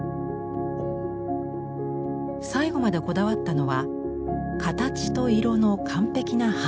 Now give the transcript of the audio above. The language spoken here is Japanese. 最後までこだわったのは「形と色の完璧なハーモニー」。